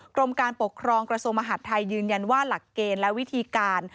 กรมการปกครองกระทรวงมหาดไทยยืนยันว่าหลักเกณฑ์และวิธีการ